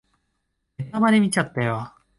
ネタバレ見ちゃったよ